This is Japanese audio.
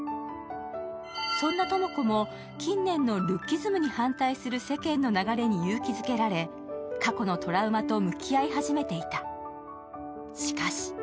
そんな知子も近年のルッキズムに反対する世間の流れに勇気づけられ過去のトラウマと向き合い始めていた。